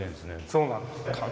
そうなんです。